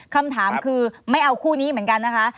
คำถามคือไม่เอาคู่นี้เหมือนกันนะคะ